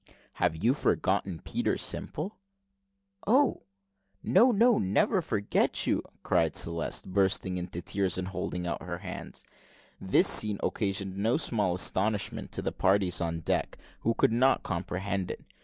"Have you forgotten Peter Simple?" "O! no no never forgot you!" cried Celeste, bursting into tears, and holding out her hands. This scene occasioned no small astonishment to the parties on deck, who could not comprehend it.